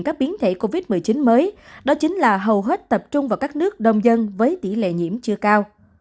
các biến thể covid một mươi chín mới đó chính là hầu hết tập trung vào các nước đông dân với tỷ lệ nhiễm chưa cao